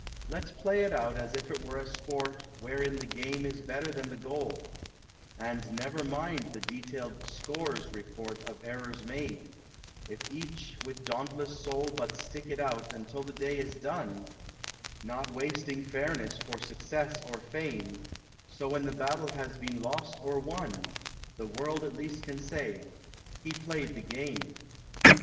Let's play it out as if it were a sport Wherein the game is better than the goal, And never mind the detailed "score's" report Of errors made, if each with dauntless soul But stick it out until the day is done, Not wasting fairness for success or fame, So when the battle has been lost or won, The world at least can say: "He played the game."